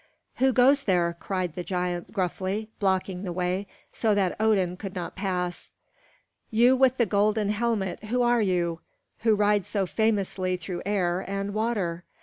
"Who goes there?" cried the giant gruffly, blocking the way so that Odin could not pass. "You with the golden helmet, who are you, who ride so famously through air and water?